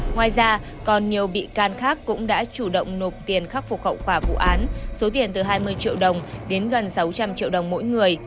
ngoài ra còn nhiều bị can khác cũng đã chủ động nộp tiền khắc phục khẩu quả vụ án số tiền từ hai mươi triệu đồng đến gần sáu trăm linh triệu đồng mỗi người